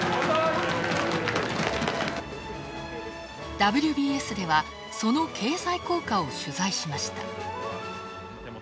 「ＷＢＳ」では、その経済効果を取材しました。